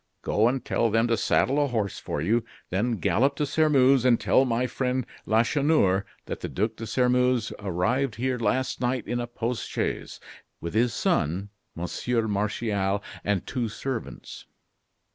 go and tell them to saddle a horse for you, then gallop to Sairmeuse, and tell my friend Lacheneur that the Duc de Sairmeuse arrived here last night in a post chaise, with his son, Monsieur Martial, and two servants.